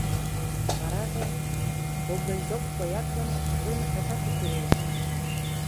Вараже, коҥгыльдок коят гын, поген опташат уке лиеш.